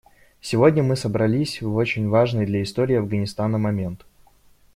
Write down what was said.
Сегодня мы собрались в очень важный для истории Афганистана момент.